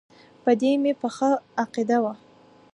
په دې مې پخه عقیده وه.